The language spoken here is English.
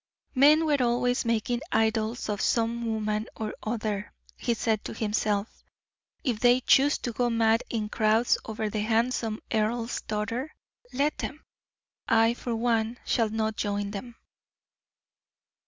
"Men were always making idols of some woman or other," he said to himself. "If they choose to go mad in crowds over the handsome earl's daughter, let them; I, for one, shall not join them."